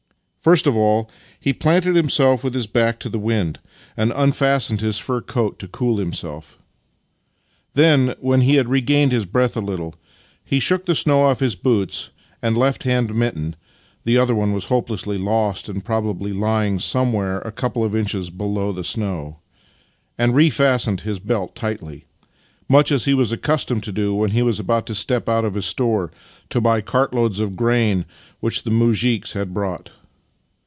First of all he planted him self with his back to the wind, and unfastened his fur Master and Man 57 coat to cool himself. Then, when he had regained his breath a little, he shook the snow oft his boots and left hand mitten (the other one was hopelessly lost, and probably lying somewhere a couple of inches below the snow), and refastened his belt tightly — much as he was accustomed to do when he was about to step out of his store to buy cartloads of grain which the muzhiks had brought.